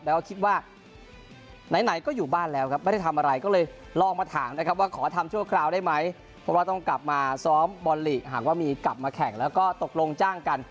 แล้วก็คิดว่าไหนก็อยู่บ้านแล้วครับไม่ได้ทำอะไรก็เลยลองมาถามนะครับว่าขอทำชั่วคราวได้ไหมเพราะว่าต้องกลับมาซ้อมบอลลีกหากว่ามีกลับมาแข่งแล้วก็ตกลงจ้างกัน